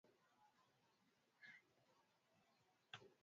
makala ya mazingira leo dunia hapo kesho